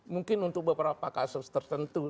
mungkin untuk beberapa kasus tertentu